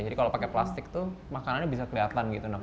jadi kalau pakai plastik itu makanan bisa kelihatan gitu